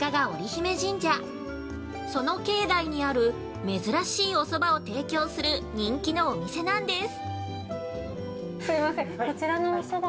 すみません、その境内にある、珍しいお蕎麦を提供する人気のお店なんです◆